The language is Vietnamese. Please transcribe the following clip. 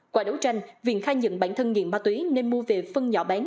qua đấu tranh viện khai nhận bản thân nghiện ma túy nên mua về phân nhỏ bán